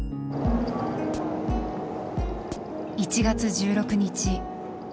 １月１６日。